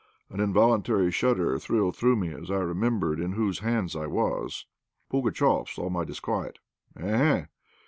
An involuntary shudder thrilled through me as I remembered in whose hands I was. Pugatchéf saw my disquiet. "Eh, eh!